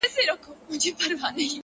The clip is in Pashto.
زلفي راټال سي گراني-